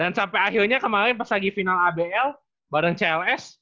dan sampai akhirnya kemarin pas lagi final abl bareng cls